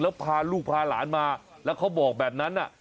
แล้วพาลูกพาหลานมาแล้วเขาบอกแบบนั้น